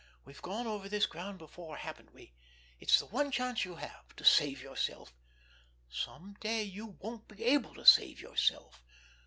We've gone over this ground before, haven't we? It's the one chance you have—to save yourself. Some day you won't be able to save yourself.